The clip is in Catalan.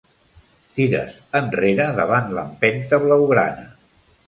Tires enrere davant l'empenta blaugrana.